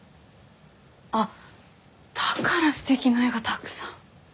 あっだからすてきな絵がたくさん。